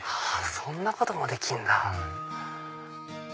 そんなこともできるんだ。